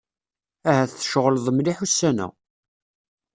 Ahat tceɣleḍ mliḥ ussan-a.